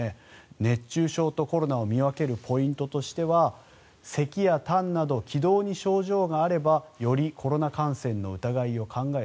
熱中症とコロナを見分けるポイントとしてはせきやたんなど気道に症状があればよりコロナ感染の疑いを考え